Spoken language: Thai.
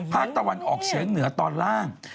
ภาคตะวันออกเฉียงเหนือตอนล่าง